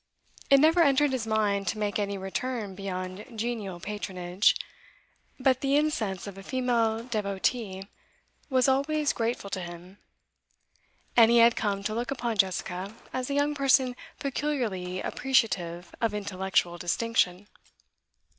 It never entered his mind to make any return beyond genial patronage, but the incense of a female devotee was always grateful to him, and he had come to look upon Jessica as a young person peculiarly appreciative of intellectual distinction.